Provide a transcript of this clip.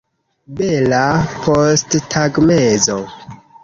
Bela posttagmezo.